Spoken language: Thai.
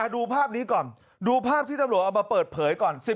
ดูภาพนี้ก่อนดูภาพที่ตำรวจเอามาเปิดเผยก่อน